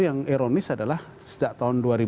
yang ironis adalah sejak tahun